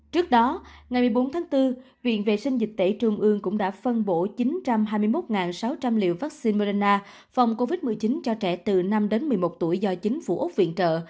trước đó ngày một mươi bốn tháng bốn viện vệ sinh dịch tễ trung ương cũng đã phân bổ chín trăm hai mươi một sáu trăm linh liều vaccine morena phòng covid một mươi chín cho trẻ từ năm đến một mươi một tuổi do chính phủ úc viện trợ